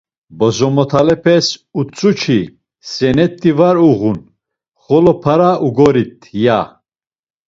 Bozomotalepes utzu-çi “Senet̆i var uğun, xolo para ugorit” ya.